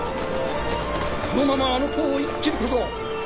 このままあの塔を一気に越そう。